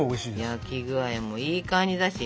焼き具合もいい感じだし。